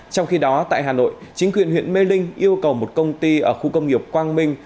trong khi đó tại hà nội chính quyền huyện mê linh yêu cầu một công ty ở khu công nghiệp quang minh